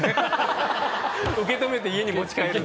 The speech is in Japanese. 受け止めて家に持ち帰る。